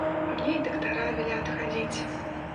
Мне и доктора велят ходить.